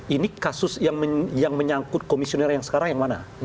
ini kasus yang menyangkut komisioner yang sekarang yang mana